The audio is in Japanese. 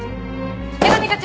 矢上課長！